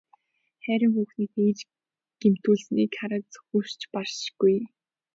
Хайран хүүхнийг тэгж гэмтүүлснийг харааж зүхэвч баршгүй.